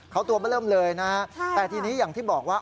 เขาตัวมาเริ่มเลยนะฮะแต่ทีนี้อย่างที่บอกว่า